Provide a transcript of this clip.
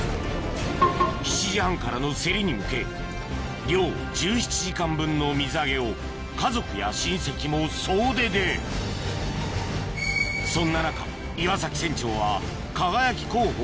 ７時半からの競りに向け漁１７時間分の水揚げを家族や親戚も総出でそんな中岩崎